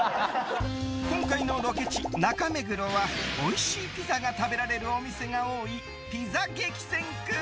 今回のロケ地、中目黒はおいしいピザが食べられるお店が多い、ピザ激戦区。